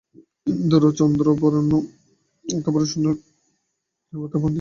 ইন্দ্র চন্দ্র বরুণ একেবারে স্বর্গের ফ্যাশানদুরস্ত দেবতা, যাজ্ঞিকমহলে তাঁদের নিমন্ত্রণও জুটত।